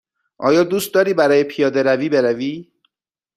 آیا دوست داری برای پیاده روی بروی؟